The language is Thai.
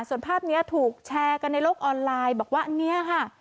ส่วนภาพนี้ถูกแชร์กันในโลกออนไลน์บอกว่าอันนี้ค่ะ